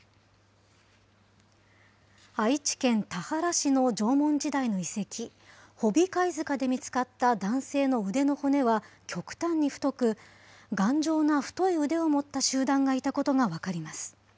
愛知県田原市の縄文時代の遺跡、保美貝塚で見つかった男性の腕の骨は極端に太く、頑丈な太い腕を持った集団がいたことが分かります。